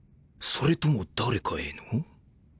それとも誰かへの？